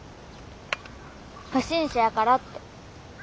「不審者」やからって。